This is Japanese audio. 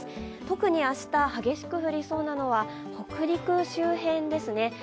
特に明日、激しく降りそうなのは北陸周辺ですね。